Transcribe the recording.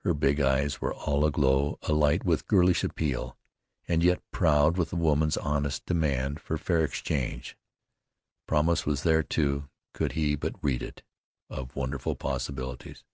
Her big eyes were all aglow, alight with girlish appeal, and yet proud with a woman's honest demand for fair exchange. Promise was there, too, could he but read it, of wonderful possibilities.